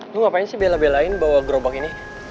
dulu ngapain sih bela belain bawa gerobak ini